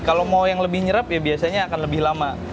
kalau mau yang lebih nyerap ya biasanya akan lebih lama